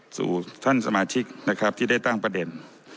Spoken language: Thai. สู่ท่านสมาชิกนะครับที่ได้ตั้งประเด็น